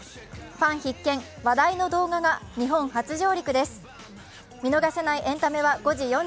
ファン必見、話題の動画が日本初上陸です。